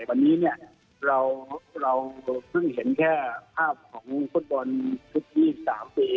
วันนี้เราเพิ่งเห็นแค่ภาพของฟุตบอลชุดที่สามปี